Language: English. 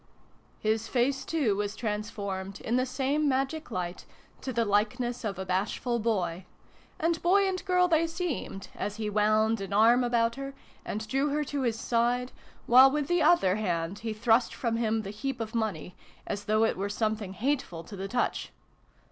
" His face too was transformed, in the same magic light, to the likeness of a bashful boy : and boy and girl they seemed, as he wound an arm about her, and drew her to his side, while with the other hand he thrust from him the heap of money, as though it were something hateful to the touch.